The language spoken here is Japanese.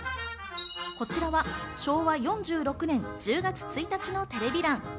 こちらは昭和４６年１０月１日のテレビ欄。